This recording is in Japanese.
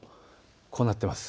こうなっています。